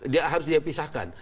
dia harus dipisahkan